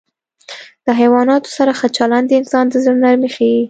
له حیواناتو سره ښه چلند د انسان د زړه نرمي ښيي.